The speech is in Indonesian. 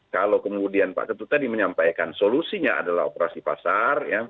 kalau kemudian pak ketut tadi menyampaikan solusinya adalah operasi pasar